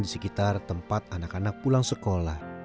di sekitar tempat anak anak pulang sekolah